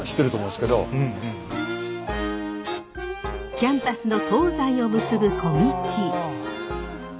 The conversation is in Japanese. キャンパスの東西を結ぶ小道